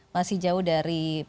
masih jauh dari ikn ini